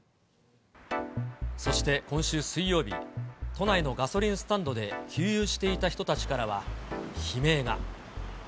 そして今週水曜日、都内のガソリンスタンドで給油していた人たちからは悲鳴が。